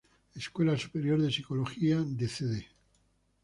Escuela Superior de Psicología de Cd.